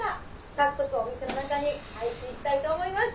早速お店の中に入っていきたいと思います。